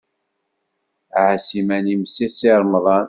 Ɛass iman-im seg Si Remḍan.